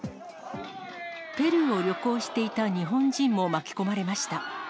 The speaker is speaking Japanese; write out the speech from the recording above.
ペルーを旅行していた日本人も巻き込まれました。